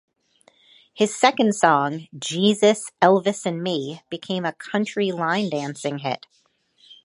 His second song Jesus, Elvis and Me became a country line dancing hit.